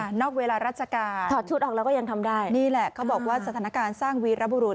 นอกเวลาราชการถอดชุดออกแล้วก็ยังทำได้นี่แหละเขาบอกว่าสถานการณ์สร้างวีรบุรุษ